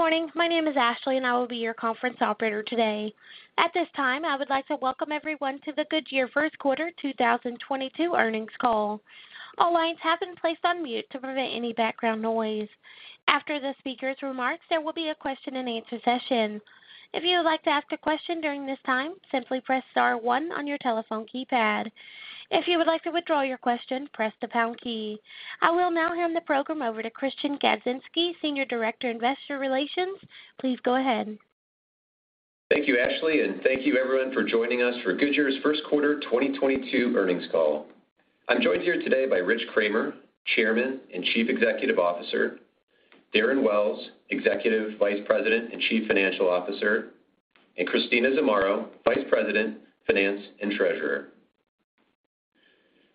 Good morning. My name is Ashley, and I will be your conference operator today. At this time, I would like to welcome everyone to the Goodyear Q1 2022 earnings call. All lines have been placed on mute to prevent any background noise. After the speaker's remarks, there will be a question-and-answer session. If you would like to ask a question during this time, simply press star one on your telephone keypad. If you would like to withdraw your question, press the pound key. I will now hand the program over to Christian Gadzinski, Senior Director, Investor Relations. Please go ahead. Thank you, Ashley, and thank you everyone for joining us for Goodyear's Q1 2022 earnings call. I'm joined here today by Rich Kramer, Chairman and Chief Executive Officer, Darren Wells, Executive Vice President and Chief Financial Officer, and Christina Zamarro, Vice President, Finance and Treasurer.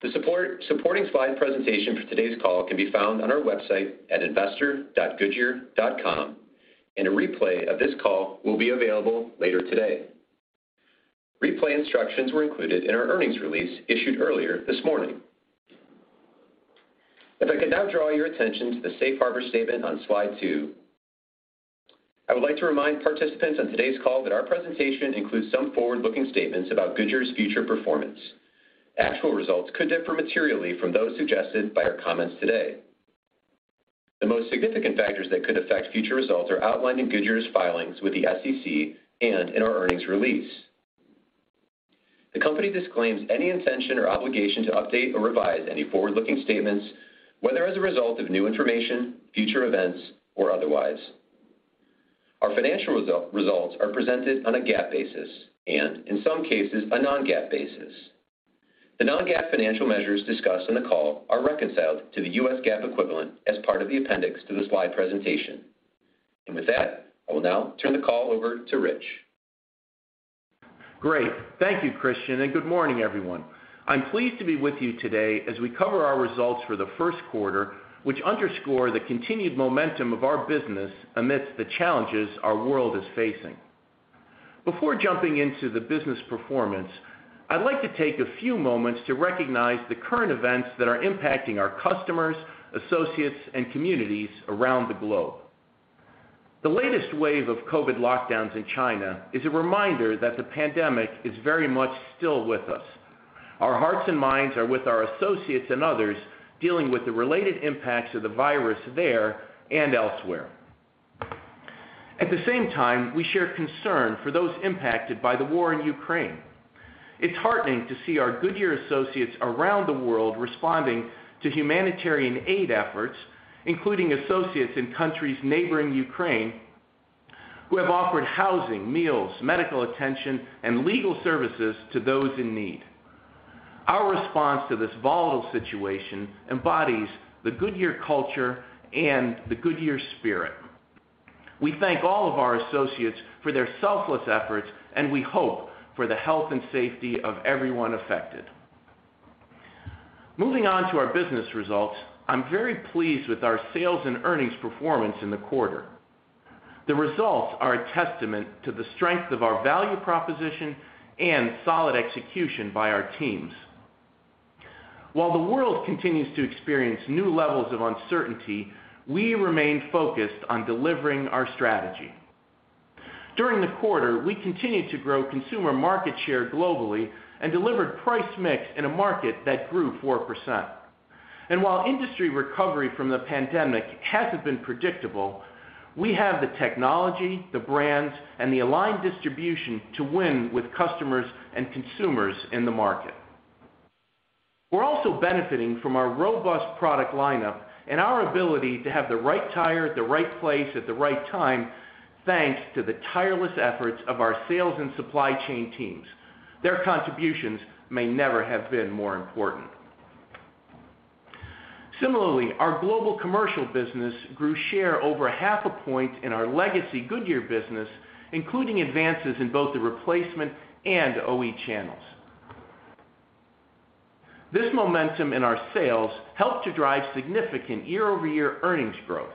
The supporting slide presentation for today's call can be found on our website at investor.goodyear.com, and a replay of this call will be available later today. Replay instructions were included in our earnings release issued earlier this morning. If I could now draw your attention to the safe harbor statement on slide 2. I would like to remind participants on today's call that our presentation includes some forward-looking statements about Goodyear's future performance. Actual results could differ materially from those suggested by our comments today. The most significant factors that could affect future results are outlined in Goodyear's filings with the SEC and in our earnings release. The company disclaims any intention or obligation to update or revise any forward-looking statements, whether as a result of new information, future events or otherwise. Our financial results are presented on a GAAP basis and in some cases a non-GAAP basis. The non-GAAP financial measures discussed in the call are reconciled to the U.S. GAAP equivalent as part of the appendix to the slide presentation. With that I will now turn the call over to Rich. Great. Thank you, Christian, and good morning, everyone. I'm pleased to be with you today as we cover our results for the Q1, which underscore the continued momentum of our business amidst the challenges our world is facing. Before jumping into the business performance, I'd like to take a few moments to recognize the current events that are impacting our customers, associates and communities around the globe. The latest wave of COVID lockdowns in China is a reminder that the pandemic is very much still with us. Our hearts and minds are with our associates and others dealing with the related impacts of the virus there and elsewhere. At the same time, we share concern for those impacted by the war in Ukraine. It's heartening to see our Goodyear associates around the world responding to humanitarian aid efforts, including associates in countries neighboring Ukraine, who have offered housing, meals, medical attention and legal services to those in need. Our response to this volatile situation embodies the Goodyear culture and the Goodyear spirit. We thank all of our associates for their selfless efforts, and we hope for the health and safety of everyone affected. Moving on to our business results. I'm very pleased with our sales and earnings performance in the quarter. The results are a testament to the strength of our value proposition and solid execution by our teams. While the world continues to experience new levels of uncertainty, we remain focused on delivering our strategy. During the quarter, we continued to grow consumer market share globally and delivered price/mix in a market that grew 4%. While industry recovery from the pandemic hasn't been predictable, we have the technology, the brands, and the aligned distribution to win with customers and consumers in the market. We're also benefiting from our robust product lineup and our ability to have the right tire at the right place at the right time, thanks to the tireless efforts of our sales and supply chain teams. Their contributions may never have been more important. Similarly, our global commercial business grew share over 0.5 In our legacy Goodyear business, including advances in both the replacement and OE channels. This momentum in our sales helped to drive significant year-over-year earnings growth.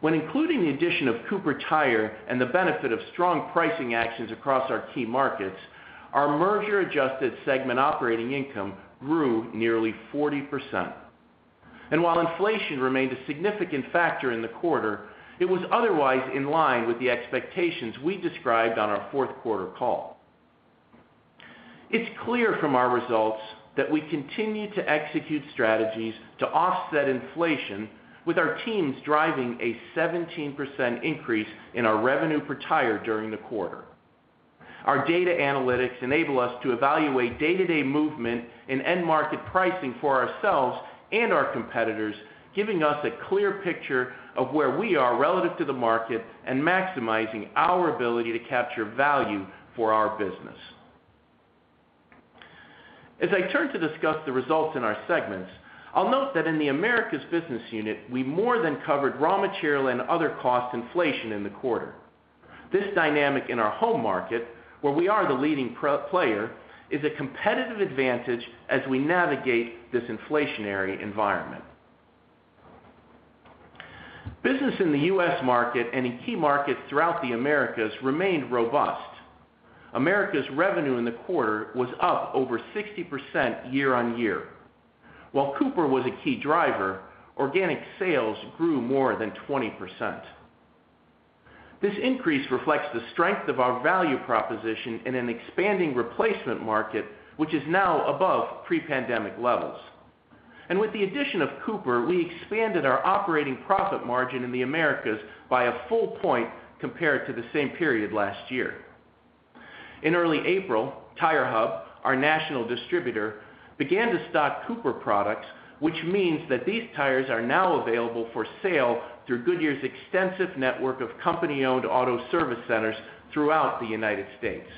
When including the addition of Cooper Tire and the benefit of strong pricing actions across our key markets, our merger adjusted segment operating income grew nearly 40%. While inflation remained a significant factor in the quarter, it was otherwise in line with the expectations we described on our Q4 call. It's clear from our results that we continue to execute strategies to offset inflation with our teams driving a 17% increase in our revenue per tire during the quarter. Our data analytics enable us to evaluate day-to-day movement in end market pricing for ourselves and our competitors, giving us a clear picture of where we are relative to the market and maximizing our ability to capture value for our business. As I turn to discuss the results in our segments, I'll note that in the Americas business unit, we more than covered raw material and other cost inflation in the quarter. This dynamic in our home market, where we are the leading player, is a competitive advantage as we navigate this inflationary environment. Business in the U.S. market and in key markets throughout the Americas remained robust. Americas revenue in the quarter was up over 60% year-on-year. While Cooper was a key driver, organic sales grew more than 20%. This increase reflects the strength of our value proposition in an expanding replacement market, which is now above pre-pandemic levels. With the addition of Cooper, we expanded our operating profit margin in the Americas by a full point compared to the same period last year. In early April, TireHub, our national distributor, began to stock Cooper products, which means that these tires are now available for sale through Goodyear's extensive network of company-owned auto service centers throughout the United States.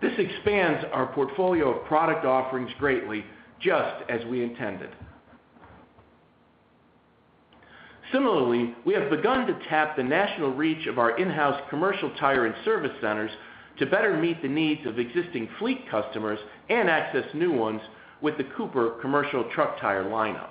This expands our portfolio of product offerings greatly, just as we intended. Similarly, we have begun to tap the national reach of our in-house commercial tire and service centers to better meet the needs of existing fleet customers and access new ones with the Cooper commercial truck tire lineup.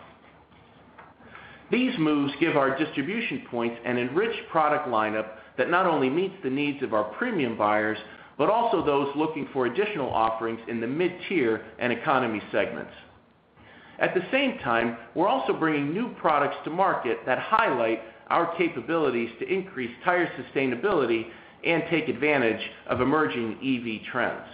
These moves give our distribution points an enriched product lineup that not only meets the needs of our premium buyers, but also those looking for additional offerings in the mid-tier and economy segments. At the same time, we're also bringing new products to market that highlight our capabilities to increase tire sustainability and take advantage of emerging EV trends.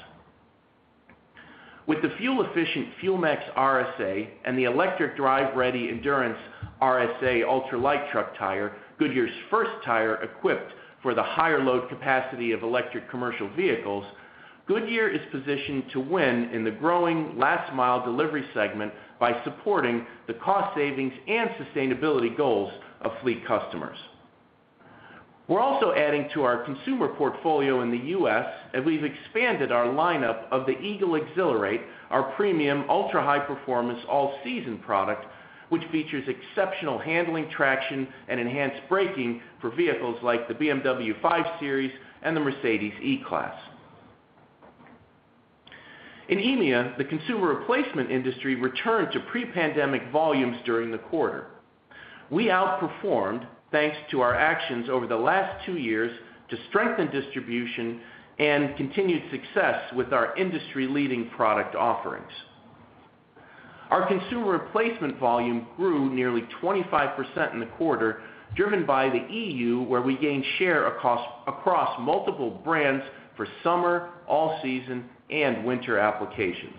With the fuel-efficient Fuel Max RSA and the electric drive-ready Endurance RSA ULT, Goodyear's first tire equipped for the higher load capacity of electric commercial vehicles, Goodyear is positioned to win in the growing last-mile delivery segment by supporting the cost savings and sustainability goals of fleet customers. We're also adding to our consumer portfolio in the US, and we've expanded our lineup of the Eagle Exhilarate, our premium ultra-high-performance all-season product, which features exceptional handling traction and enhanced braking for vehicles like the BMW 5 Series and the Mercedes E-Class. In EMEA, the consumer replacement industry returned to pre-pandemic volumes during the quarter. We outperformed thanks to our actions over the last two years to strengthen distribution and continued success with our industry-leading product offerings. Our consumer replacement volume grew nearly 25% in the quarter, driven by the EU, where we gained share across multiple brands for summer, all season, and winter applications.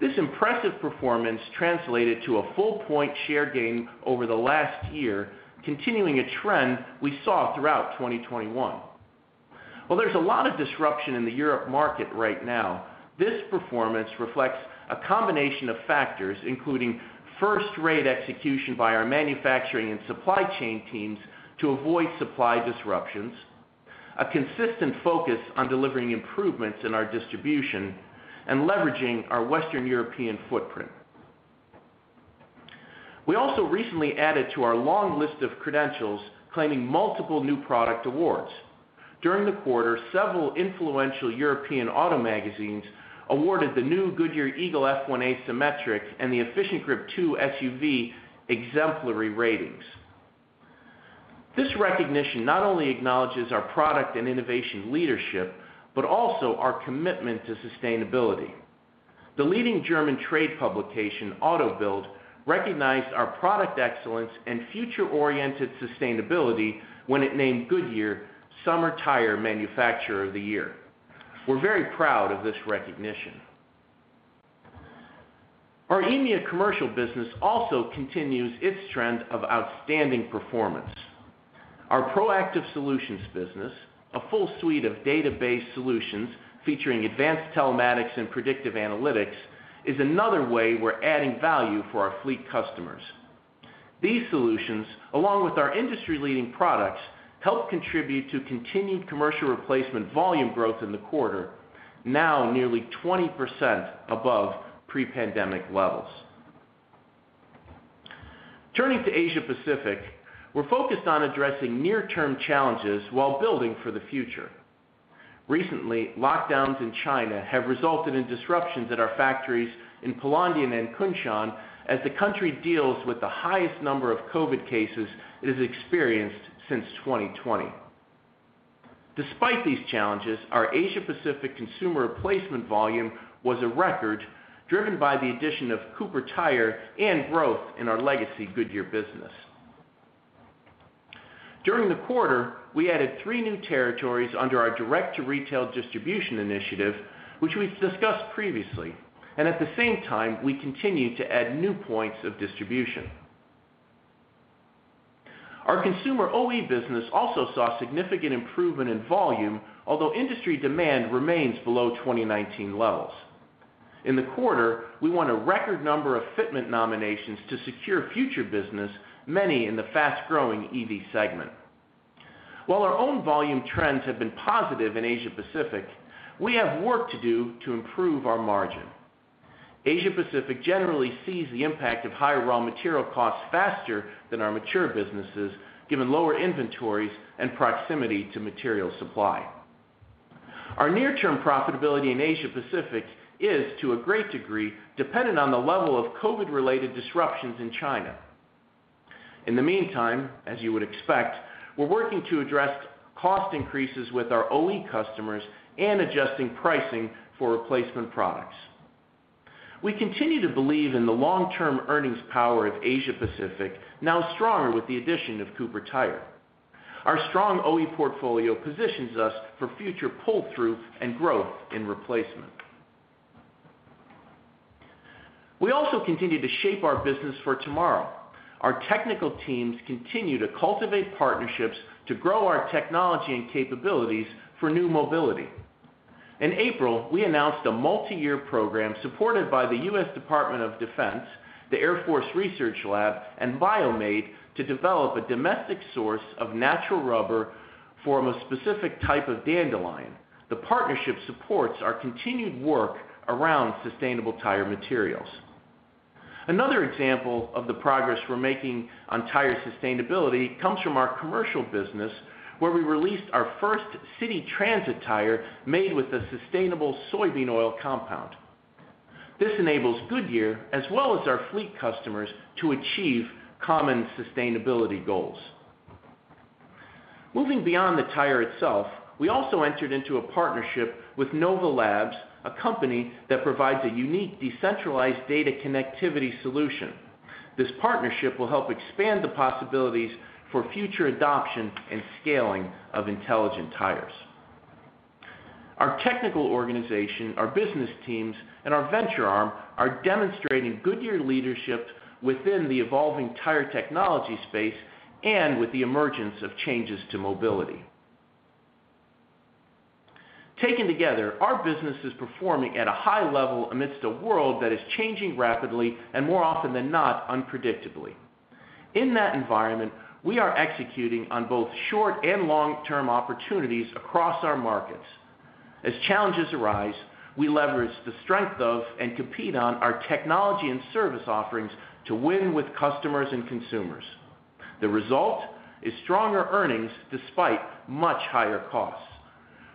This impressive performance translated to a full point share gain over the last year, continuing a trend we saw throughout 2021. While there's a lot of disruption in the European market right now, this performance reflects a combination of factors, including first-rate execution by our manufacturing and supply chain teams to avoid supply disruptions, a consistent focus on delivering improvements in our distribution, and leveraging our Western European footprint. We also recently added to our long list of credentials, claiming multiple new product awards. During the quarter, several influential European auto magazines awarded the new Goodyear Eagle F1 Asymmetric and the EfficientGrip 2 SUV exemplary ratings. This recognition not only acknowledges our product and innovation leadership, but also our commitment to sustainability. The leading German trade publication, AUTO BILD, recognized our product excellence and future-oriented sustainability when it named Goodyear Summer Tire Manufacturer of the Year. We're very proud of this recognition. Our EMEA commercial business also continues its trend of outstanding performance. Our Proactive Solutions business, a full suite of database solutions featuring advanced telematics and predictive analytics, is another way we're adding value for our fleet customers. These solutions, along with our industry-leading products, help contribute to continued commercial replacement volume growth in the quarter, now nearly 20% above pre-pandemic levels. Turning to Asia-Pacific, we're focused on addressing near-term challenges while building for the future. Recently, lockdowns in China have resulted in disruptions at our factories in Pulandian and Kunshan as the country deals with the highest number of COVID cases it has experienced since 2020. Despite these challenges, our Asia-Pacific consumer replacement volume was a record driven by the addition of Cooper Tire and growth in our legacy Goodyear business. During the quarter, we added three new territories under our direct-to-retail distribution initiative, which we've discussed previously. At the same time, we continued to add new points of distribution. Our consumer OE business also saw significant improvement in volume, although industry demand remains below 2019 levels. In the quarter, we won a record number of fitment nominations to secure future business, many in the fast-growing EV segment. While our own volume trends have been positive in Asia Pacific, we have work to do to improve our margin. Asia Pacific generally sees the impact of higher raw material costs faster than our mature businesses, given lower inventories and proximity to material supply. Our near-term profitability in Asia Pacific is, to a great degree, dependent on the level of COVID-related disruptions in China. In the meantime, as you would expect, we're working to address cost increases with our OE customers and adjusting pricing for replacement products. We continue to believe in the long-term earnings power of Asia Pacific, now stronger with the addition of Cooper Tire. Our strong OE portfolio positions us for future pull-through and growth in replacement. We also continue to shape our business for tomorrow. Our technical teams continue to cultivate partnerships to grow our technology and capabilities for new mobility. In April, we announced a multiyear program supported by the U.S. Department of Defense, the Air Force Research Lab, and BioMADE to develop a domestic source of natural rubber from a specific type of dandelion. The partnership supports our continued work around sustainable tire materials. Another example of the progress we're making on tire sustainability comes from our commercial business, where we released our first city transit tire made with a sustainable soybean oil compound. This enables Goodyear, as well as our fleet customers, to achieve common sustainability goals. Moving beyond the tire itself, we also entered into a partnership wth Nova Labs, a company that provides a unique decentralized data connectivity solution. This partnership will help expand the possibilities for future adoption and scaling of intelligent tires. Our technical organization, our business teams, and our venture arm are demonstrating Goodyear leadership within the evolving tire technology space and with the emergence of changes to mobility. Taken together, our business is performing at a high level amidst a world that is changing rapidly and more often than not, unpredictably. In that environment, we are executing on both short and long-term opportunities across our markets. As challenges arise, we leverage the strength of and compete on our technology and service offerings to win with customers and consumers. The result is stronger earnings despite much higher costs.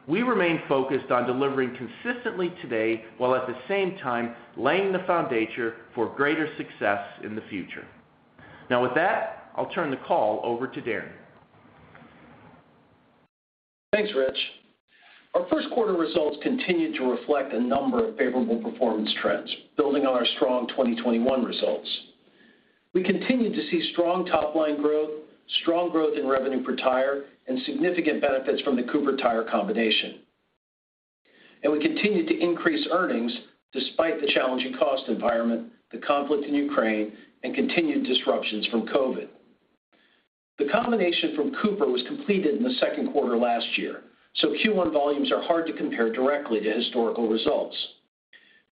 We remain focused on delivering consistently today, while at the same time laying the foundation for greater success in the future. Now with that, I'll turn the call over to Darren. Thanks, Rich. Our Q1 results continued to reflect a number of favorable performance trends building on our strong 2021 results. We continued to see strong top-line growth, strong growth in revenue per tire, and significant benefits from the Cooper Tire combination. We continued to increase earnings despite the challenging cost environment, the conflict in Ukraine, and continued disruptions from COVID. The combination from Cooper was completed in the Q2 last year, so Q1 volumes are hard to compare directly to historical results.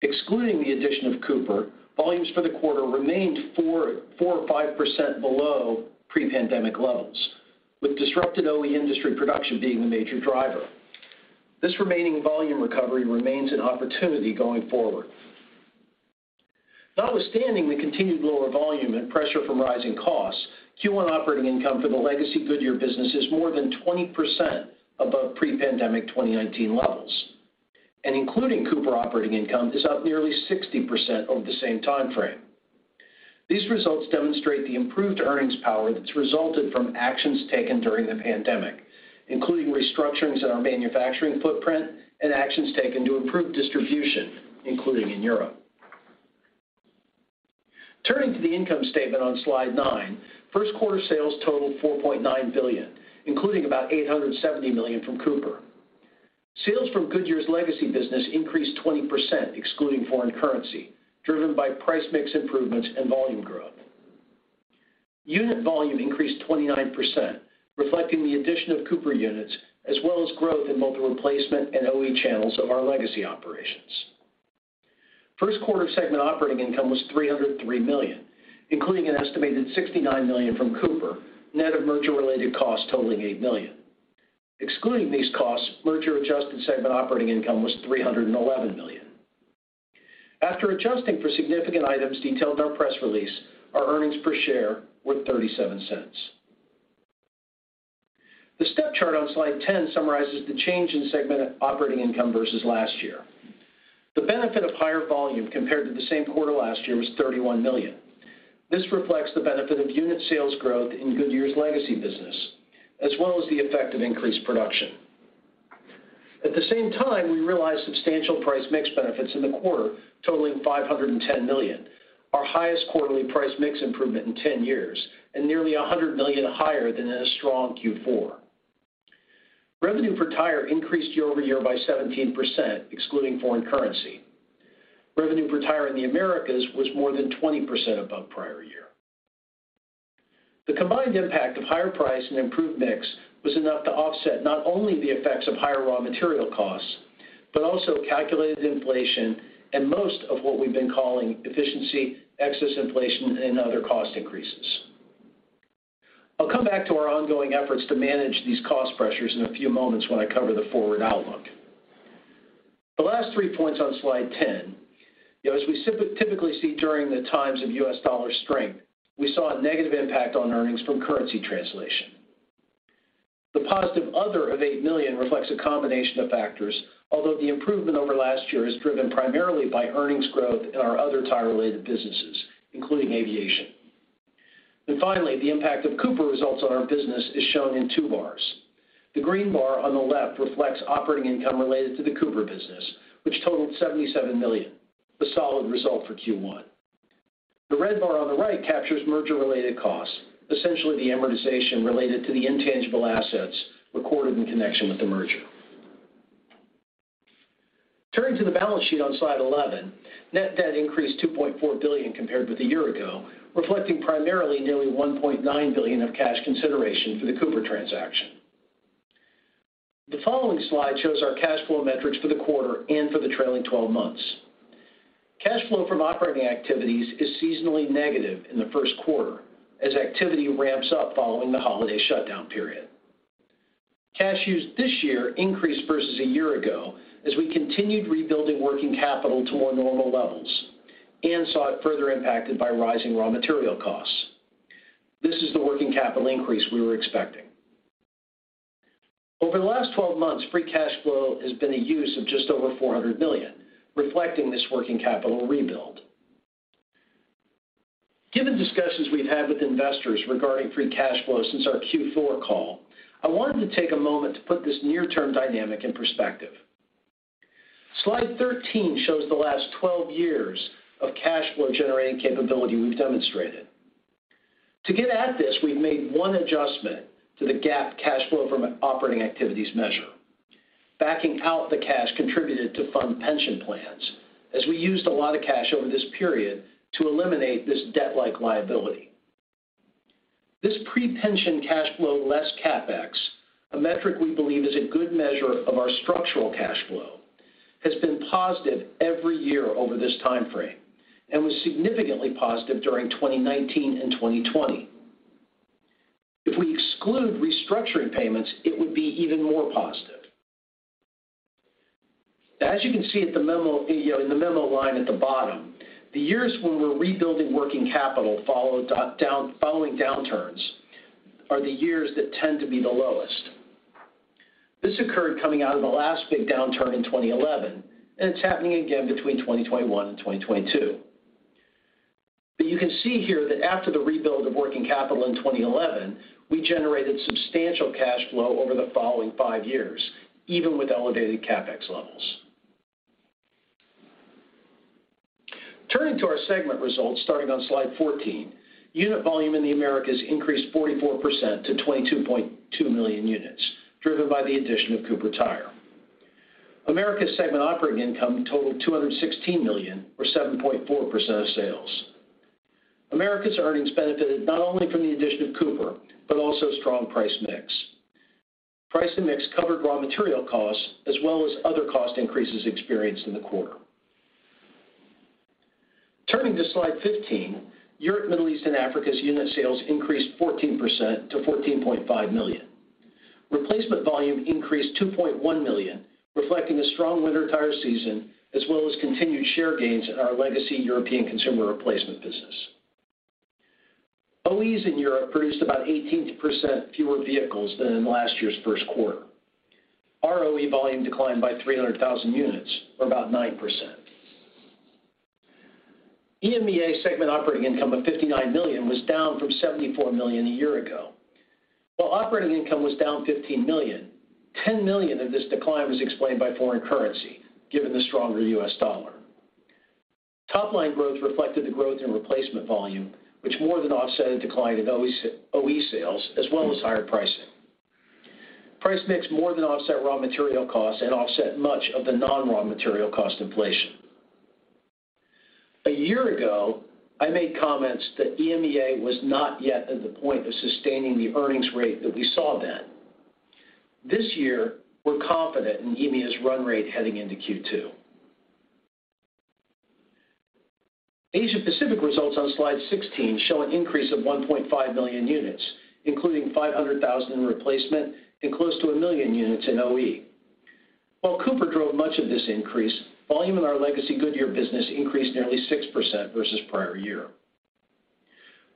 Excluding the addition of Cooper, volumes for the quarter remained 4%-5% below pre-pandemic levels, with disrupted OE industry production being the major driver. This remaining volume recovery remains an opportunity going forward. Notwithstanding the continued lower volume and pressure from rising costs, Q1 operating income for the legacy Goodyear business is more than 20% above pre-pandemic 2019 levels. Including Cooper operating income is up nearly 60% over the same time frame. These results demonstrate the improved earnings power that's resulted from actions taken during the pandemic, including restructurings in our manufacturing footprint and actions taken to improve distribution, including in Europe. Turning to the income statement on slide 9, Q1 sales totaled $4.9 billion, including about $870 million from Cooper. Sales from Goodyear's legacy business increased 20% excluding foreign currency, driven by price mix improvements and volume growth. Unit volume increased 29%, reflecting the addition of Cooper units as well as growth in both the replacement and OE channels of our legacy operations. Q1 segment operating income was $303 million, including an estimated $69 million from Cooper, net of merger-related costs totaling $8 million. Excluding these costs, merger-adjusted segment operating income was $311 million. After adjusting for significant items detailed in our press release, our earnings per share were $0.37. The step chart on slide 10 summarizes the change in segment operating income versus last year. The benefit of higher volume compared to the same quarter last year was $31 million. This reflects the benefit of unit sales growth in Goodyear's legacy business, as well as the effect of increased production. At the same time, we realized substantial price mix benefits in the quarter totaling $510 million, our highest quarterly price mix improvement in 10 years, and nearly $100 million higher than in a strong Q4. Revenue per tire increased year-over-year by 17% excluding foreign currency. Revenue per tire in the Americas was more than 20% above prior year. The combined impact of higher price and improved mix was enough to offset not only the effects of higher raw material costs, but also calculated inflation and most of what we've been calling efficiency, excess inflation, and other cost increases. I'll come back to our ongoing efforts to manage these cost pressures in a few moments when I cover the forward outlook. The last three points on slide 10. As we typically see during the times of U.S. dollar strength, we saw a negative impact on earnings from currency translation. The positive other of $8 million reflects a combination of factors. Although the improvement over last year is driven primarily by earnings growth in our other tire-related businesses, including aviation. Finally, the impact of Cooper results on our business is shown in two bars. The green bar on the left reflects operating income related to the Cooper business, which totaled $77 million, a solid result for Q1. The red bar on the right captures merger-related costs, essentially the amortization related to the intangible assets recorded in connection with the merger. Turning to the balance sheet on slide 11, net debt increased $2.4 billion compared with a year ago, reflecting primarily nearly $1.9 billion of cash consideration for the Cooper transaction. The following slide shows our cash flow metrics for the quarter and for the trailing twelve months. Cash flow from operating activities is seasonally negative in the Q1 as activity ramps up following the holiday shutdown period. Cash used this year increased versus a year ago as we continued rebuilding working capital to more normal levels and saw it further impacted by rising raw material costs. This is the working capital increase we were expecting. Over the last 12 months, free cash flow has been a use of just over $400 million, reflecting this working capital rebuild. Given discussions we've had with investors regarding free cash flow since our Q4 call, I wanted to take a moment to put this near-term dynamic in perspective. Slide 13 shows the last 12 years of cash flow generating capability we've demonstrated. To get at this, we've made one adjustment to the GAAP cash flow from operating activities measure, backing out the cash contributed to fund pension plans, as we used a lot of cash over this period to eliminate this debt-like liability. This pre-pension cash flow less CapEx, a metric we believe is a good measure of our structural cash flow, has been positive every year over this time frame and was significantly positive during 2019 and 2020. If we exclude restructuring payments, it would be even more positive. As you can see at the memo, you know, the memo line at the bottom, the years when we're rebuilding working capital following downturns are the years that tend to be the lowest. This occurred coming out of the last big downturn in 2011, and it's happening again between 2021 and 2022. You can see here that after the rebuild of working capital in 2011, we generated substantial cash flow over the following five years, even with elevated CapEx levels. Turning to our segment results starting on slide 14, unit volume in the Americas increased 44% to 22.2 million units, driven by the addition of Cooper Tire. Americas segment operating income totaled $216 million or 7.4% of sales. Americas earnings benefited not only from the addition of Cooper, but also strong price/mix. Price/mix covered raw material costs as well as other cost increases experienced in the quarter. Turning to slide 15, Europe, Middle East, and Africa's unit sales increased 14% to 14.5 million. Replacement volume increased 2.1 million, reflecting a strong winter tire season as well as continued share gains in our legacy European Consumer Replacement business. OEs in Europe produced about 18% fewer vehicles than in last year's Q1. Our OE volume declined by 300,000 units or about 9%. EMEA segment operating income of $59 million was down from $74 million a year ago. While operating income was down $15 million, $10 million of this decline was explained by foreign currency, given the stronger U.S. dollar. Top line growth reflected the growth in replacement volume, which more than offset a decline in OE sales as well as higher pricing. price/mix more than offset raw material costs and offset much of the non-raw material cost inflation. A year ago, I made comments that EMEA was not yet at the point of sustaining the earnings rate that we saw then. This year, we're confident in EMEA's run rate heading into Q2. Asia Pacific results on slide 16 show an increase of 1.5 million units, including 500,000 in replacement and close to 1 million units in OE. While Cooper drove much of this increase, volume in our legacy Goodyear business increased nearly 6% versus prior year.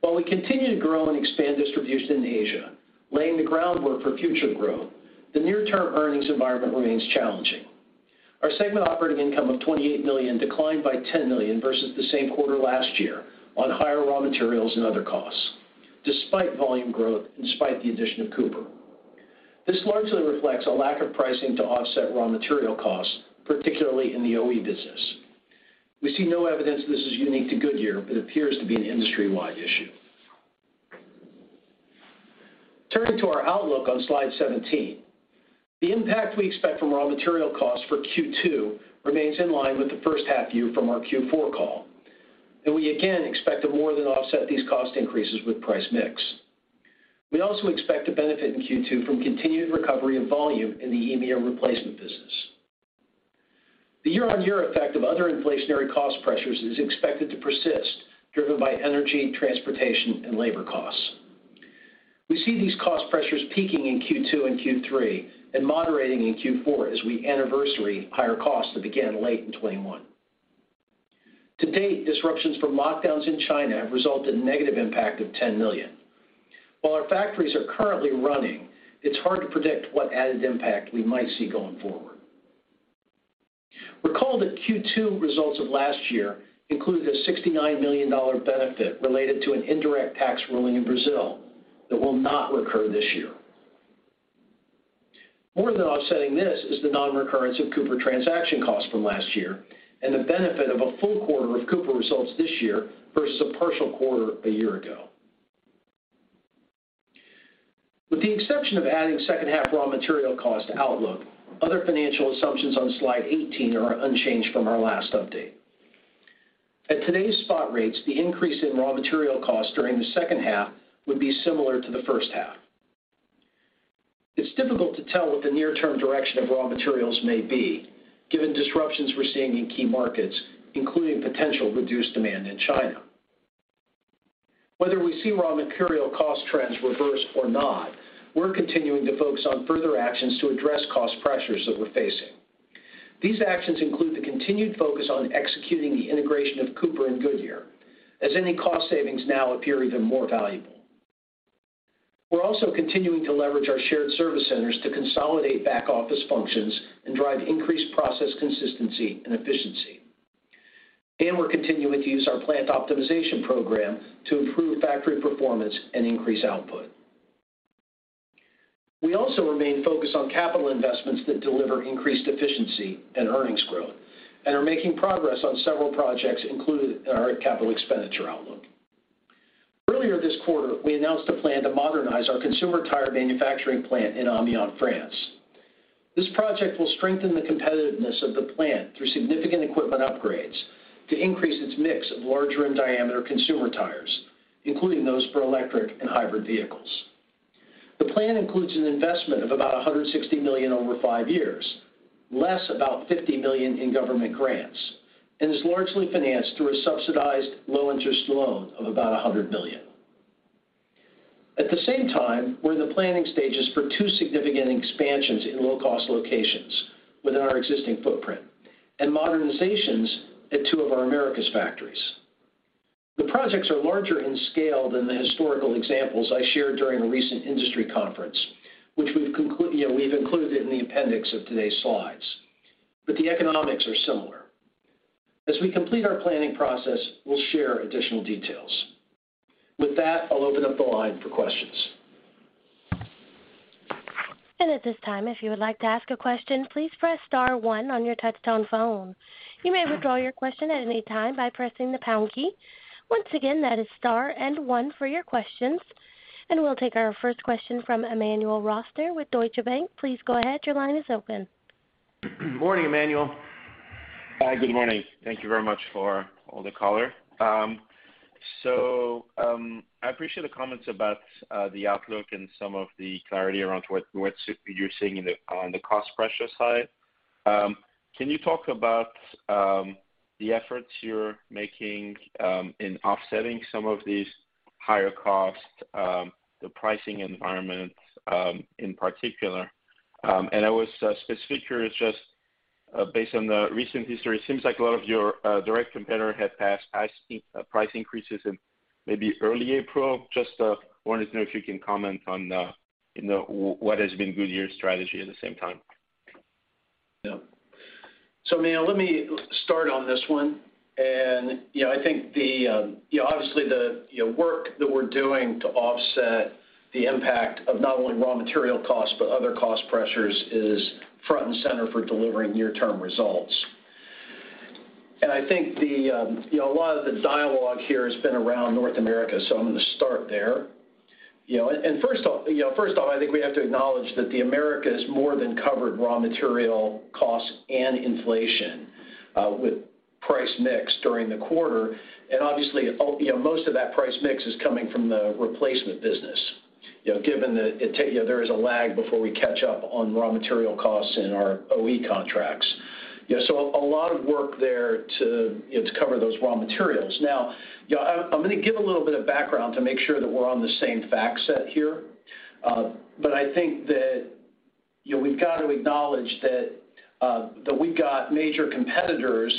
While we continue to grow and expand distribution in Asia, laying the groundwork for future growth, the near-term earnings environment remains challenging. Our segment operating income of $28 million declined by $10 million versus the same quarter last year on higher raw materials and other costs, despite volume growth, in spite of the addition of Cooper. This largely reflects a lack of pricing to offset raw material costs, particularly in the OE business. We see no evidence this is unique to Goodyear, but appears to be an industry-wide issue. Turning to our outlook on slide 17. The impact we expect from raw material costs for Q2 remains in line with the first half year from our Q4 call, and we again expect to more than offset these cost increases with price mix. We also expect to benefit in Q2 from continued recovery in volume in the EMEA replacement business. The year-over-year effect of other inflationary cost pressures is expected to persist, driven by energy, transportation, and labor costs. We see these cost pressures peaking in Q2 and Q3 and moderating in Q4 as we anniversary higher costs that began late in 2021. To date, disruptions from lockdowns in China have resulted in negative impact of $10 million. While our factories are currently running, it's hard to predict what added impact we might see going forward. Recall that Q2 results of last year included a $69 million benefit related to an indirect tax ruling in Brazil that will not recur this year. More than offsetting this is the non-recurrence of Cooper transaction costs from last year and the benefit of a full quarter of Cooper results this year versus a partial quarter a year ago. With the exception of adding second half raw material cost outlook, other financial assumptions on slide 18 are unchanged from our last update. At today's spot rates, the increase in raw material costs during the second half would be similar to the first half. It's difficult to tell what the near-term direction of raw materials may be given disruptions we're seeing in key markets, including potential reduced demand in China. Whether we see raw material cost trends reverse or not, we're continuing to focus on further actions to address cost pressures that we're facing. These actions include the continued focus on executing the integration of Cooper and Goodyear, as any cost savings now appear even more valuable. We're also continuing to leverage our shared service centers to consolidate back-office functions and drive increased process consistency and efficiency. We're continuing to use our plant optimization program to improve factory performance and increase output. We also remain focused on capital investments that deliver increased efficiency and earnings growth and are making progress on several projects included in our capital expenditure outlook. Earlier this quarter, we announced a plan to modernize our consumer tire manufacturing plant in Amiens, France. This project will strengthen the competitiveness of the plant through significant equipment upgrades to increase its mix of larger in diameter consumer tires, including those for electric and hybrid vehicles. The plan includes an investment of about $160 million over five years, less about $50 million in government grants, and is largely financed through a subsidized low-interest loan of about $100 million. At the same time, we're in the planning stages for two significant expansions in low-cost locations within our existing footprint and modernizations at two of our Americas factories. The projects are larger in scale than the historical examples I shared during a recent industry conference, which, you know, we've included in the appendix of today's slides, but the economics are similar. As we complete our planning process, we'll share additional details. With that, I'll open up the line for questions. At this time, if you would like to ask a question, please press star one on your touchtone phone. You may withdraw your question at any time by pressing the pound key. Once again, that is star and one for your questions. We'll take our first question from Emmanuel Rosner with Deutsche Bank. Please go ahead. Your line is open. Morning, Emmanuel. Hi, good morning. Thank you very much for all the color. I appreciate the comments about the outlook and some of the clarity around what you're seeing on the cost pressure side. Can you talk about the efforts you're making in offsetting some of these higher costs, the pricing environment, in particular? I was specifically curious just based on the recent history. It seems like a lot of your direct competitors have passed on price increases in maybe early April. Just wanted to know if you can comment on, you know, what has been Goodyear's strategy at the same time? Yeah. Emmanuel, let me start on this one. You know, I think obviously the work that we're doing to offset the impact of not only raw material costs, but other cost pressures is front and center for delivering near-term results. I think you know, a lot of the dialogue here has been around North America, so I'm gonna start there. You know, first off, I think we have to acknowledge that the Americas more than covered raw material costs and inflation with price/mix during the quarter. Obviously, you know, most of that price/mix is coming from the replacement business, you know, there is a lag before we catch up on raw material costs in our OE contracts. You know, a lot of work there to, you know, to cover those raw materials. Now, you know, I'm gonna give a little bit of background to make sure that we're on the same fact set here. I think that, you know, we've got to acknowledge that we've got major competitors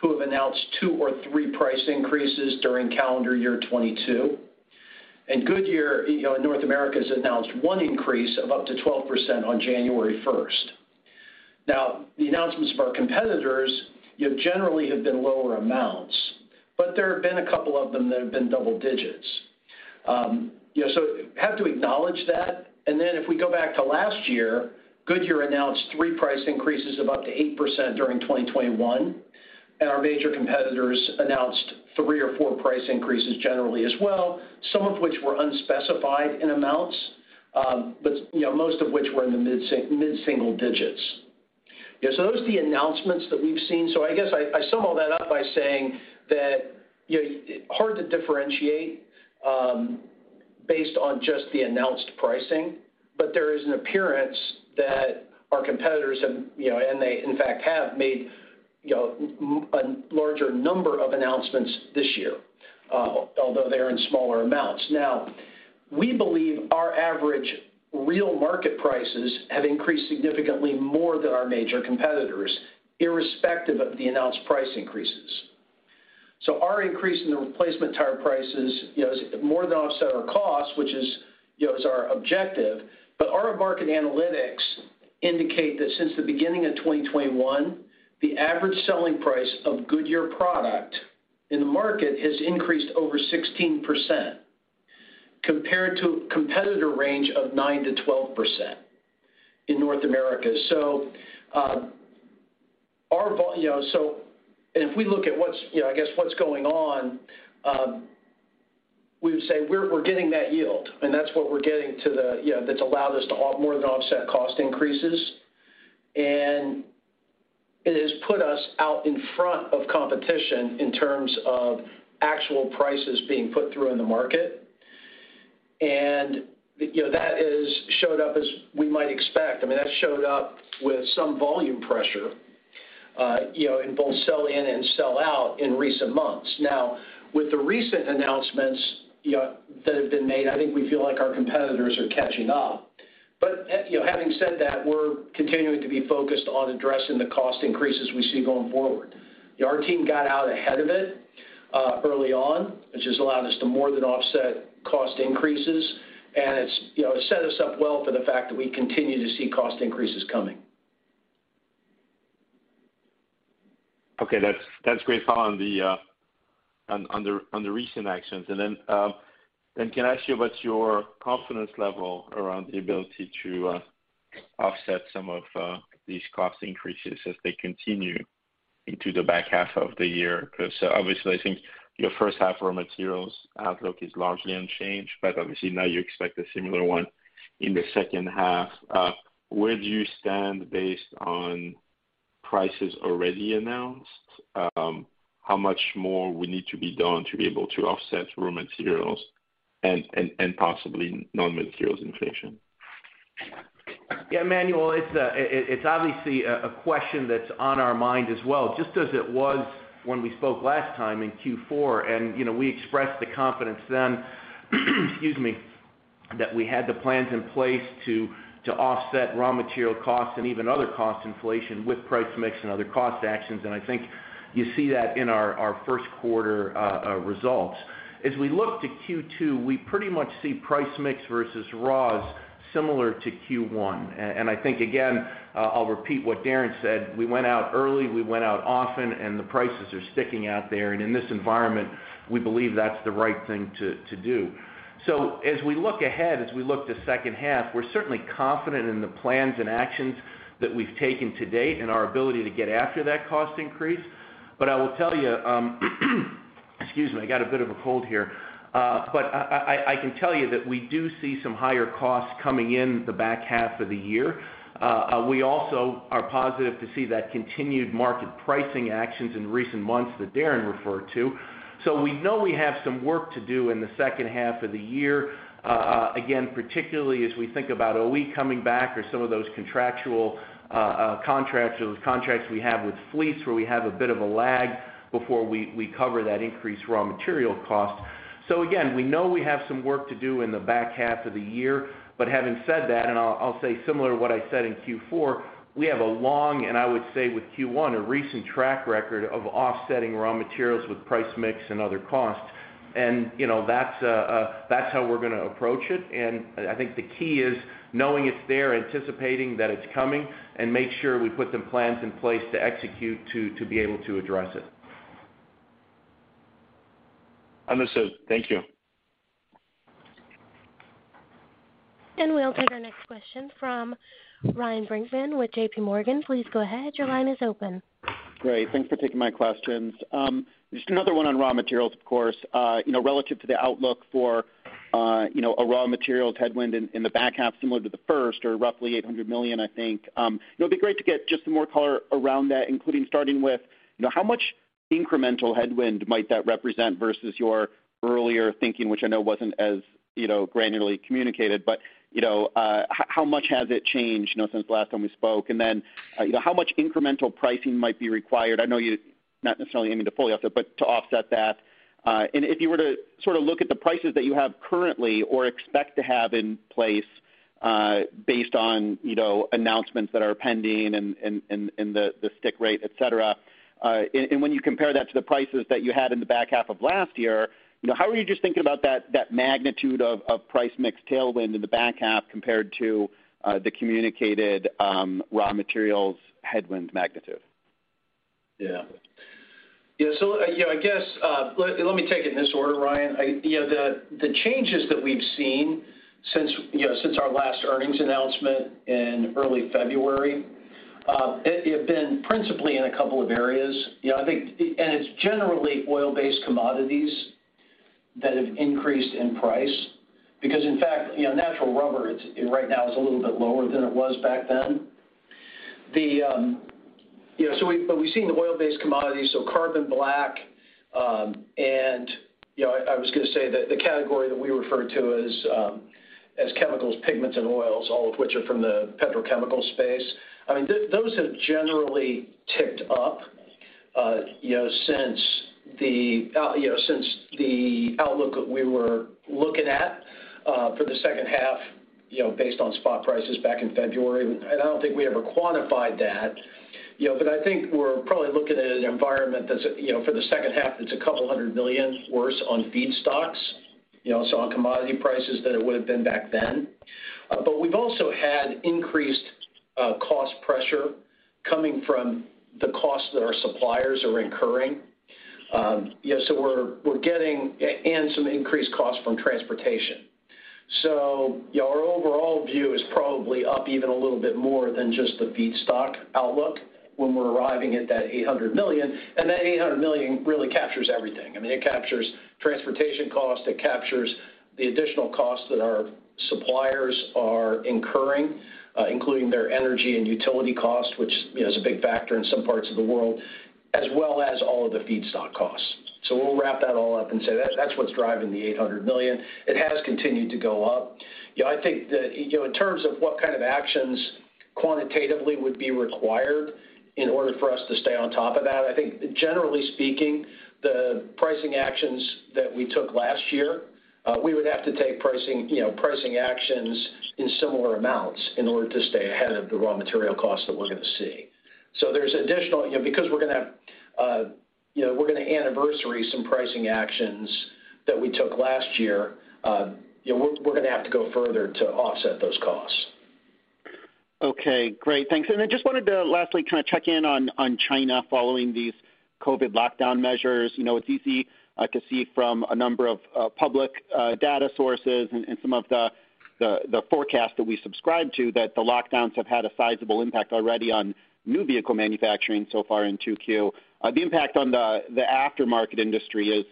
who have announced two or three price increases during calendar year 2022. Goodyear, you know, in North America has announced one increase of up to 12% on January 1. Now, the announcements of our competitors, you know, generally have been lower amounts, but there have been a couple of them that have been double digits. You know, have to acknowledge that. If we go back to last year, Goodyear announced 3 price increases of up to 8% during 2021, and our major competitors announced 3 or 4 price increases generally as well, some of which were unspecified in amounts, but you know, most of which were in the mid-single digits. You know, those are the announcements that we've seen. I guess I sum all that up by saying that, you know, hard to differentiate based on just the announced pricing, but there is an appearance that our competitors have, you know, and they in fact have made, you know, a larger number of announcements this year. Although they're in smaller amounts. Now we believe our average real market prices have increased significantly more than our major competitors, irrespective of the announced price increases. Our increase in the replacement tire prices, you know, has more than offset our costs, which is, you know, our objective. Our market analytics indicate that since the beginning of 2021, the average selling price of Goodyear product in the market has increased over 16% compared to competitor range of 9%-12% in North America. If we look at what's, you know, I guess, what's going on, we would say we're getting that yield, and that's what we're getting to the, you know, that's allowed us to more than offset cost increases. It has put us out in front of competition in terms of actual prices being put through in the market. You know, that is showed up as we might expect. I mean, that showed up with some volume pressure, you know, in both sell in and sell out in recent months. Now with the recent announcements, you know, that have been made, I think we feel like our competitors are catching up. You know, having said that, we're continuing to be focused on addressing the cost increases we see going forward. Our team got out ahead of it, early on, which has allowed us to more than offset cost increases. It's, you know, set us up well for the fact that we continue to see cost increases coming. Okay. That's great, Paul, on the recent actions. Can I ask you about your confidence level around the ability to offset some of these cost increases as they continue into the back half of the year? Obviously, I think your first half raw materials outlook is largely unchanged, but obviously now you expect a similar one in the second half. Where do you stand based on prices already announced? How much more will need to be done to be able to offset raw materials and possibly non-materials inflation? Yeah, Emmanuel, it's obviously a question that's on our mind as well, just as it was when we spoke last time in Q4. You know, we expressed the confidence then, excuse me, that we had the plans in place to offset raw material costs and even other cost inflation with price mix and other cost actions. I think you see that in our Q1 results. As we look to Q2, we pretty much see price mix versus raws similar to Q1. I think, again, I'll repeat what Darren said, we went out early, we went out often, and the prices are sticking out there. In this environment, we believe that's the right thing to do. As we look ahead, as we look to second half, we're certainly confident in the plans and actions that we've taken to date and our ability to get after that cost increase. I will tell you, excuse me, I got a bit of a cold here. I can tell you that we do see some higher costs coming in the back half of the year. We also are positive to see that continued market pricing actions in recent months that Darren referred to. We know we have some work to do in the second half of the year, again, particularly as we think about OE coming back or some of those contractual contracts or those contracts we have with fleets where we have a bit of a lag before we cover that increased raw material cost. We know we have some work to do in the back half of the year, but having said that, I'll say similar to what I said in Q4, we have a long, and I would say with Q1, a recent track record of offsetting raw materials with price mix and other costs. You know, that's how we're gonna approach it. I think the key is knowing it's there, anticipating that it's coming, and make sure we put the plans in place to execute to be able to address it. Understood. Thank you. We'll take our next question from Ryan Brinkman with JPMorgan. Please go ahead. Your line is open. Great. Thanks for taking my questions. Just another one on raw materials, of course. You know, relative to the outlook for, you know, a raw materials headwind in the back half similar to the first or roughly $800 million, I think. You know, it'd be great to get just some more color around that, including starting with, you know, how much incremental headwind might that represent versus your earlier thinking, which I know wasn't as, you know, granularly communicated. You know, how much has it changed, you know, since the last time we spoke? Then, you know, how much incremental pricing might be required? I know you're not necessarily aiming to fully offset, but to offset that. If you were to sort of look at the prices that you have currently or expect to have in place, based on, you know, announcements that are pending and the stick rate, et cetera, and when you compare that to the prices that you had in the back half of last year, you know, how are you just thinking about that magnitude of price mix tailwind in the back half compared to the communicated raw materials headwind magnitude? Yeah, you know, I guess let me take it in this order, Ryan. You know, the changes that we've seen since, you know, since our last earnings announcement in early February, it have been principally in a couple of areas. You know, I think and it's generally oil-based commodities that have increased in price. Because in fact, you know, natural rubber it's right now is a little bit lower than it was back then. You know, but we've seen the oil-based commodities, so carbon black, and, you know, I was gonna say the category that we refer to as chemicals, pigments, and oils, all of which are from the petrochemical space. I mean, those have generally ticked up. You know, since the outlook that we were looking at for the second half, you know, based on spot prices back in February, and I don't think we ever quantified that, you know. But I think we're probably looking at an environment that's, you know, for the second half, that's $200 million worse on feedstocks, you know, so on commodity prices than it would have been back then. But we've also had increased cost pressure coming from the costs that our suppliers are incurring. You know, so we're getting some increased costs from transportation. Our overall view is probably up even a little bit more than just the feedstock outlook when we're arriving at that $800 million. That $800 million really captures everything. I mean, it captures transportation costs, it captures the additional costs that our suppliers are incurring, including their energy and utility costs, which, you know, is a big factor in some parts of the world, as well as all of the feedstock costs. We'll wrap that all up and say that's what's driving the $800 million. It has continued to go up. You know, I think that, you know, in terms of what kind of actions quantitatively would be required in order for us to stay on top of that, I think generally speaking, the pricing actions that we took last year, we would have to take pricing, you know, pricing actions in similar amounts in order to stay ahead of the raw material costs that we're going to see. There's additional, you know, because we're gonna anniversary some pricing actions that we took last year, you know, we're gonna have to go further to offset those costs. Okay, great. Thanks. I just wanted to lastly kind of check in on China following these COVID lockdown measures. You know, it's easy to see from a number of public data sources and some of the forecasts that we subscribe to that the lockdowns have had a sizable impact already on new vehicle manufacturing so far in 2Q. The impact on the aftermarket industry is,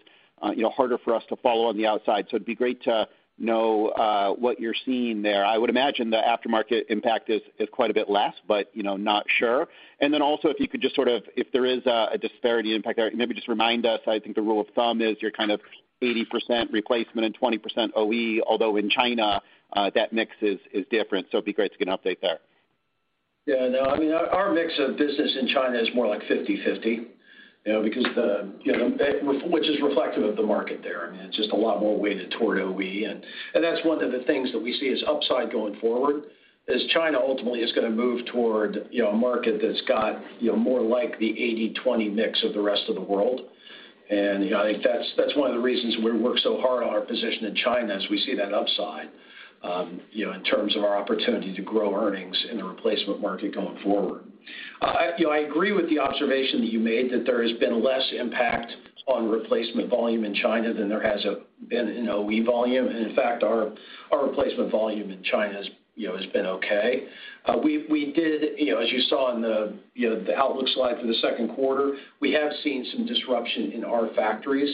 you know, harder for us to follow on the outside. It'd be great to know what you're seeing there. I would imagine the aftermarket impact is quite a bit less, but, you know, not sure. Then also, if you could just sort of if there is a disparity impact there, maybe just remind us. I think the rule of thumb is you're kind of 80% replacement and 20% OE, although in China, that mix is different. It'd be great to get an update there. Yeah, no. I mean, our mix of business in China is more like 50/50, you know, because the, you know, which is reflective of the market there. I mean, it's just a lot more weighted toward OE. And that's one of the things that we see as upside going forward, is China ultimately is gonna move toward, you know, a market that's got, you know, more like the 80/20 mix of the rest of the world. And, you know, I think that's one of the reasons we work so hard on our position in China, is we see that upside, you know, in terms of our opportunity to grow earnings in the replacement market going forward. You know, I agree with the observation that you made that there has been less impact on replacement volume in China than there has been in OE volume. In fact, our replacement volume in China, you know, has been okay. We did, you know, as you saw in the outlook slide for the Q2, we have seen some disruption in our factories.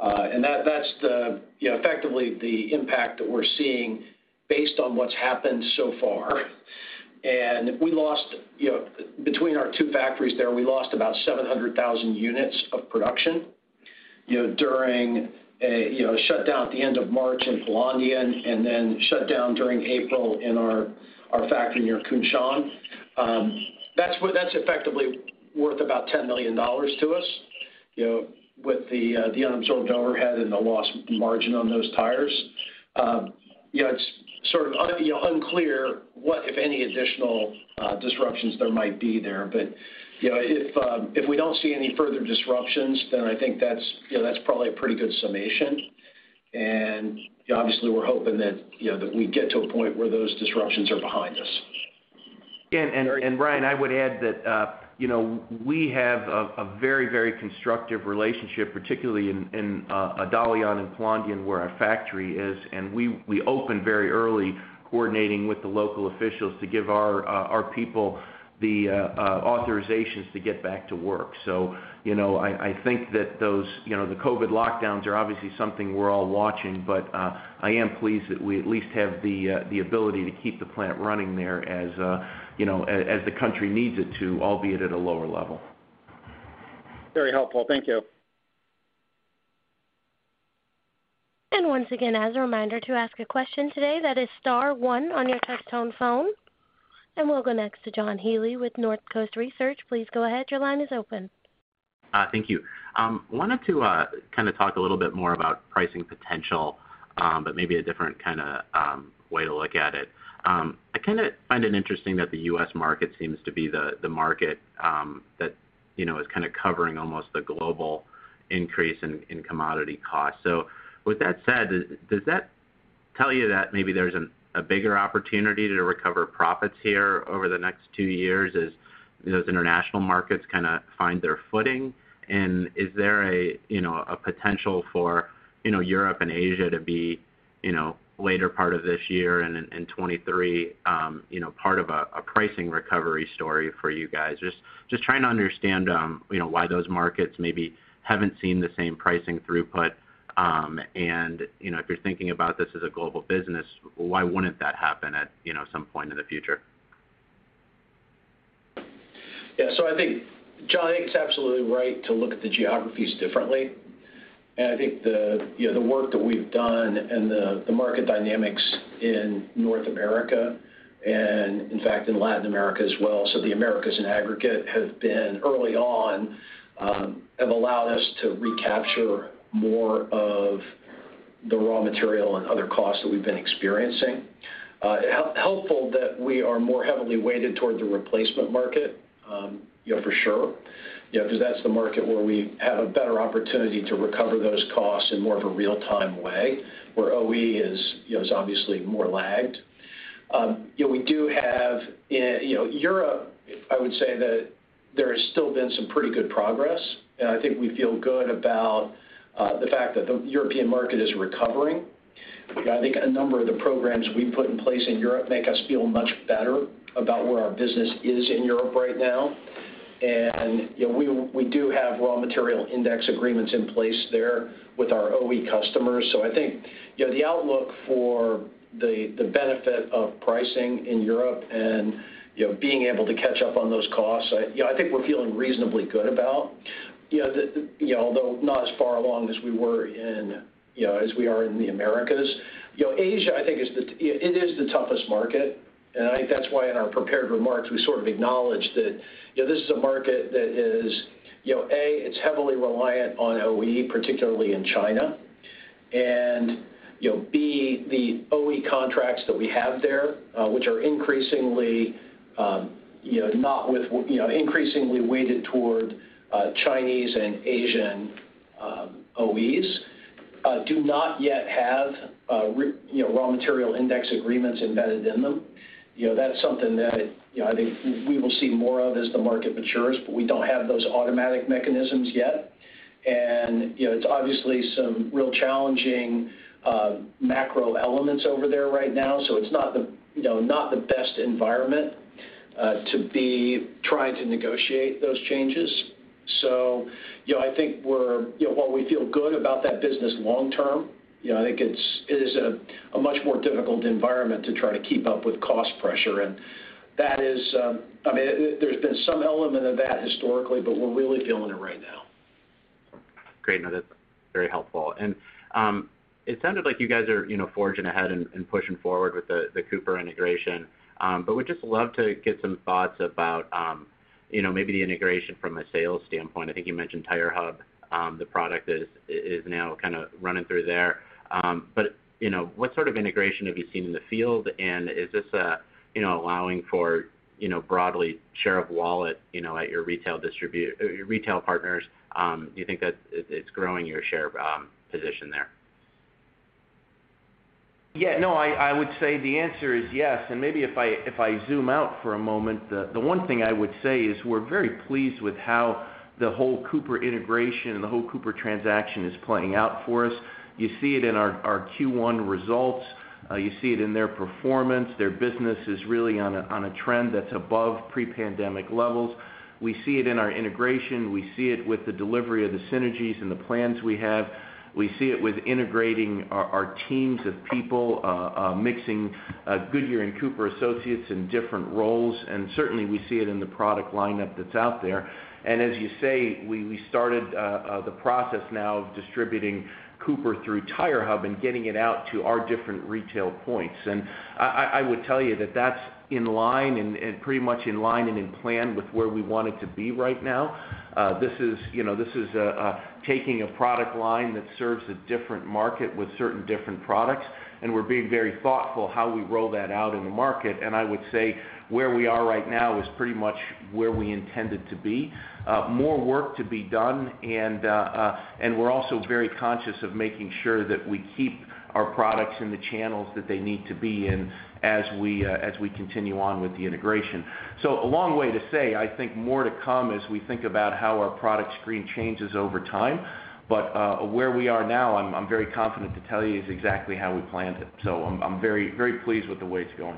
That's, you know, effectively the impact that we're seeing based on what's happened so far. We lost, you know, between our two factories there, about 700,000 units of production, you know, during a shutdown at the end of March in Pulandian, and then shutdown during April in our factory near Kunshan. That's effectively worth about $10 million to us, you know, with the unabsorbed overhead and the lost margin on those tires. You know, it's sort of unclear what, if any, additional disruptions there might be there. You know, if we don't see any further disruptions, then I think that's probably a pretty good summation. Obviously, we're hoping that, you know, that we get to a point where those disruptions are behind us. And Ryan, I would add that, you know, we have a very constructive relationship, particularly in Dalian and Pulandian, where our factory is, and we opened very early coordinating with the local officials to give our people the authorizations to get back to work. You know, I think that those, you know, the COVID lockdowns are obviously something we're all watching, but I am pleased that we at least have the ability to keep the plant running there as, you know, as the country needs it to, albeit at a lower level. Very helpful. Thank you. Once again, as a reminder to ask a question today, that is star one on your touch tone phone. We'll go next to John Healy with Northcoast Research. Please go ahead. Your line is open. Thank you. Wanted to kind of talk a little bit more about pricing potential, but maybe a different kinda way to look at it. I kinda find it interesting that the U.S. market seems to be the market that you know is kind of covering almost the global increase in commodity costs. With that said, does that tell you that maybe there's a bigger opportunity to recover profits here over the next two years as you know those international markets kinda find their footing? Is there a potential for Europe and Asia to be later part of this year and in 2023 you know part of a pricing recovery story for you guys? Just trying to understand, you know, why those markets maybe haven't seen the same pricing throughput? You know, if you're thinking about this as a global business, why wouldn't that happen at, you know, some point in the future? Yeah. I think, John, it's absolutely right to look at the geographies differently. I think the work that we've done and the market dynamics in North America and in fact in Latin America as well, the Americas in aggregate have been early on have allowed us to recapture more of the raw material and other costs that we've been experiencing. Helpful that we are more heavily weighted toward the replacement market, you know, for sure. You know, because that's the market where we have a better opportunity to recover those costs in more of a real-time way, where OE is obviously more lagged. You know, we do have in Europe. I would say that there has still been some pretty good progress. I think we feel good about the fact that the European market is recovering. You know, I think a number of the programs we put in place in Europe make us feel much better about where our business is in Europe right now. You know, we do have raw material index agreements in place there with our OE customers. I think, you know, the outlook for the benefit of pricing in Europe and, you know, being able to catch up on those costs, you know, I think we're feeling reasonably good about. You know, although not as far along as we are in the Americas. You know, Asia, I think is the toughest market. I think that's why in our prepared remarks, we sort of acknowledged that, you know, this is a market that is, you know, A, it's heavily reliant on OE, particularly in China. You know, B, the OE contracts that we have there, which are increasingly weighted toward Chinese and Asian OEs, do not yet have raw material index agreements embedded in them. You know, that's something that, you know, I think we will see more of as the market matures, but we don't have those automatic mechanisms yet. You know, it's obviously some really challenging macro elements over there right now. It's not the best environment to be trying to negotiate those changes. You know, I think, while we feel good about that business long term, you know, I think it is a much more difficult environment to try to keep up with cost pressure. That is, I mean, there's been some element of that historically, but we're really feeling it right now. Great. No, that's very helpful. It sounded like you guys are, you know, forging ahead and pushing forward with the Cooper integration. We'd just love to get some thoughts about, you know, maybe the integration from a sales standpoint. I think you mentioned TireHub, the product is now kind of running through there. You know, what sort of integration have you seen in the field? Is this, you know, allowing for, you know, broader share of wallet, you know, at your retail partners? Do you think that it's growing your share position there? Yeah, no, I would say the answer is yes. Maybe if I zoom out for a moment, the one thing I would say is we're very pleased with how the whole Cooper integration and the whole Cooper transaction is playing out for us. You see it in our Q1 results. You see it in their performance. Their business is really on a trend that's above pre-pandemic levels. We see it in our integration. We see it with the delivery of the synergies and the plans we have. We see it with integrating our teams of people, mixing Goodyear and Cooper associates in different roles. Certainly we see it in the product lineup that's out there. As you say, we started the process now of distributing Cooper through TireHub and getting it out to our different retail points. I would tell you that that's in line and pretty much in plan with where we want it to be right now. This is, you know, taking a product line that serves a different market with certain different products, and we're being very thoughtful how we roll that out in the market. I would say where we are right now is pretty much where we intended to be. More work to be done, and we're also very conscious of making sure that we keep our products in the channels that they need to be in as we continue on with the integration. A long way to say, I think more to come as we think about how our product screen changes over time. Where we are now, I'm very confident to tell you is exactly how we planned it. I'm very, very pleased with the way it's going.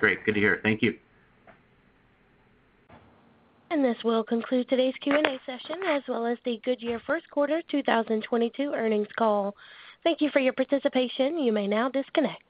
Great. Good to hear. Thank you. This will conclude today's Q&A session as well as the Goodyear Q1 2022 earnings call. Thank you for your participation. You may now disconnect.